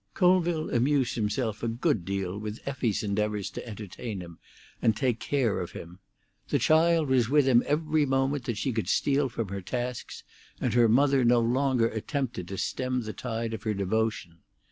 Colville amused himself a good deal with Effie's endeavours to entertain him and take care of him. The child was with him every moment that she could steal from her tasks, and her mother no longer attempted to stem the tide of her devotion.